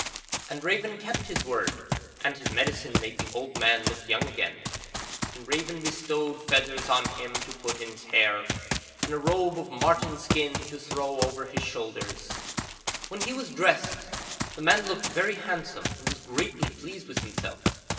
And Raven kept his word and his medicine made the old man look young again, and Raven bestowed feathers on him to put in his hair, and a robe of marten skin to throw over his shoulders. When he was dressed the man looked very handsome and was greatly pleased with himself.